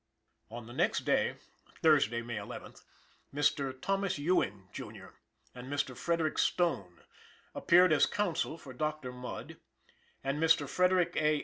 On the next day (Thursday, May 11th), Mr. Thomas Ewing, Jr. and Mr. Frederick Stone appeared as counsel for Dr. Mudd, and Mr. Frederick A.